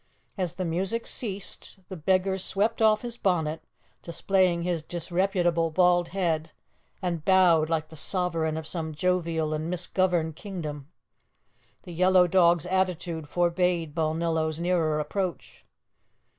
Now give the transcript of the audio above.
As the music ceased, the beggar swept off his bonnet, displaying his disreputable bald head, and bowed like the sovereign of some jovial and misgoverned kingdom. The yellow dog's attitude forbade Balnillo's nearer approach.